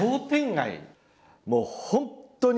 もう本当に。